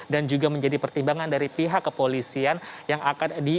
dan juga menjadi pertimbangan dari pihak kepolisian yang akan diungkapkan